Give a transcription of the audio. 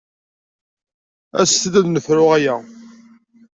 Aset-d ad nefru aya!